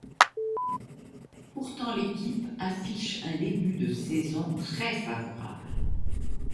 Pourtant l'équipe affiche un début de saison très favorable.